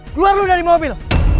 keluar lu dari mobil